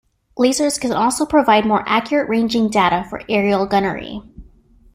Lasers can also provide more accurate ranging data for aerial gunnery.